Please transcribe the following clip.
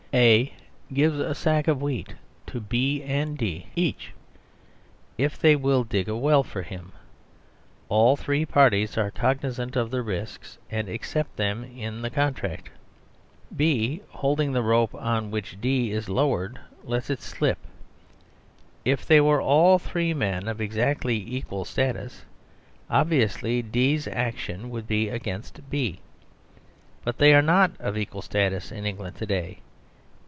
A gives a sack of wheat to Band D each if they will dig a well for him. All three parties are cognisant of the risks and accept them in the contract. B, hold ing the rope on which D is lowered, lets it slip. If they were all three men of exactly equal status, obvi ously D's action would be against B. But they are not of equal status in England to day.